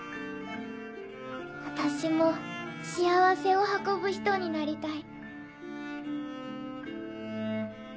あたしも幸せを運ぶ人になりたい。